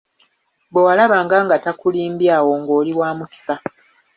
Bwewalabanga nga takulimbye awo nga oli wamukisa.